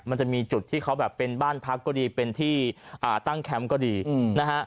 มันจะมีจุดที่เขาแบบเป็นบ้านพักก็ดีเป็นที่ตั้งแคมป์ก็ดีนะฮะ